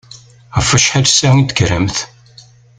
Ɣef wacḥal ssaɛa i d-tekkremt?